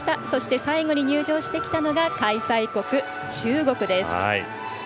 そして、最後に入場してきたのが開催国、中国です。